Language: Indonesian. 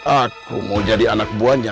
aku mau jadi anak buahnya